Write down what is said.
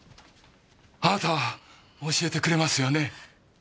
あなたは教えてくれますよね？